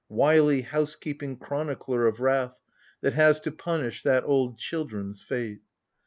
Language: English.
Wily house keeping chronicler of wrath, That has to punish that old children's fate